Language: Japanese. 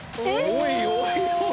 おいおいおいおい！